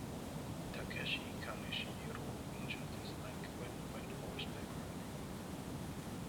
Takeshi Kaneshiro injured his leg when he went horse-back riding.